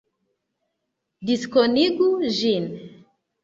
Diskonigu ĝin